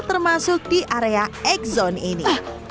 termasuk di area x zone ini